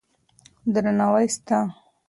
درناوی سته.